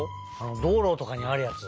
どうろとかにあるやつ。